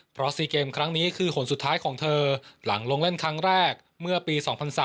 เพราะ๔เกมครั้งนี้คือผลสุดท้ายของเธอหลังลงเล่นครั้งแรกเมื่อปี๒๐๐๓